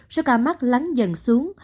số ca mắc lắng dần xuống